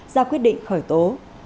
ra quyết định khởi tố